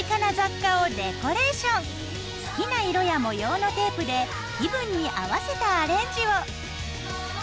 好きな色や模様のテープで気分に合わせたアレンジを。